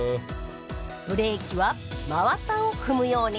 ブレーキは真綿を踏むように。